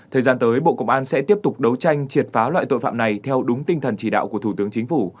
thời gian tới bộ công an sẽ tiếp tục đấu tranh triệt phá loại tội phạm này theo đúng tinh thần chỉ đạo của thủ tướng chính phủ